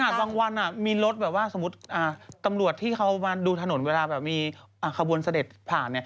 บางวันมีรถแบบว่าสมมุติตำรวจที่เขามาดูถนนเวลาแบบมีขบวนเสด็จผ่าน